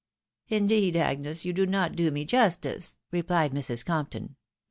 " Indeed, Agnes, you do not do me justice," replied Mrs. Compton.